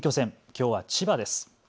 きょうは千葉です。